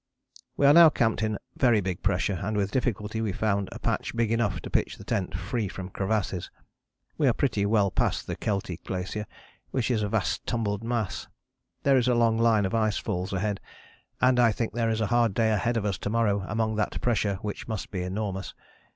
We are now camped in very big pressure, and with difficulty we found a patch big enough to pitch the tent free from crevasses. We are pretty well past the Keltie Glacier which is a vast tumbled mass: there is a long line of ice falls ahead, and I think there is a hard day ahead of us to morrow among that pressure which must be enormous.